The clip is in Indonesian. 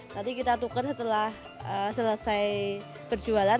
nanti kita tukar setelah selesai berjualan